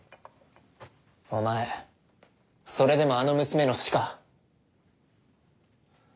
お前それでもあの娘の師か？